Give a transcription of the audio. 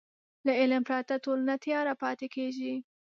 له علم پرته ټولنه تیاره پاتې کېږي.